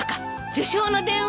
受賞の電話？